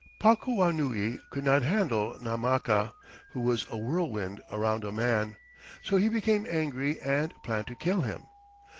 Pakuanui could not handle Namaka, who was a "whirlwind around a man," so he became angry and planned to kill him.